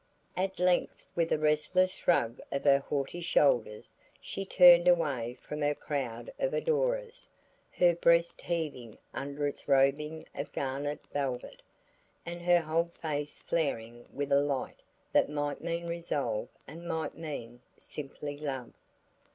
At length with a restless shrug of her haughty shoulders she turned away from her crowd of adorers, her breast heaving under its robing of garnet velvet, and her whole face flaring with a light that might mean resolve and might mean simply love.